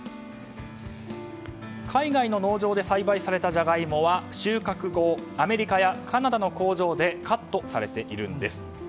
海外の農場で栽培されたジャガイモは収穫後、アメリカやカナダの工場でカットされているんです。